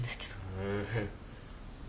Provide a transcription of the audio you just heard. へえ。